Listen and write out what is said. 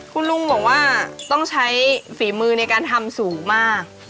คุณลุงบอกว่าต้องใช้ฝีมือในการทำสูงมาก